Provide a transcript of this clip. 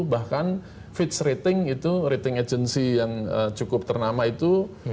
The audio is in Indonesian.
bahkan fitch rating itu rating agency yang cukup ternama itu